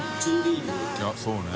いそうね。